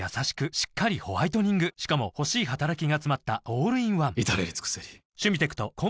しっかりホワイトニングしかも欲しい働きがつまったオールインワン至れり尽せりどこ探してもあかん。